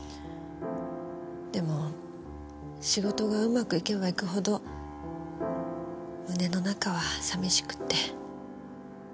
でも仕事がうまくいけばいくほど胸の中は寂しくって。